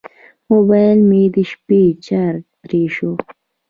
موبایل مې د شپې چارج پرې شو.